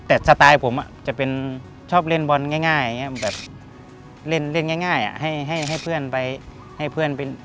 แต่สไตล์ผมจะเป็นชอบเล่นบอลง่ายเล่นง่ายให้เพื่อนไปเล่น